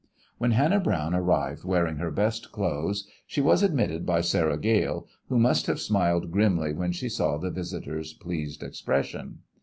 When Hannah Browne arrived wearing her best clothes she was admitted by Sarah Gale, who must have smiled grimly when she saw the visitor's pleased expression.